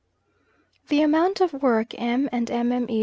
The amount of work M. and Mme.